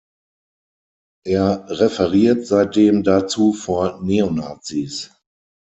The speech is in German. Er referiert seitdem dazu vor Neonazis.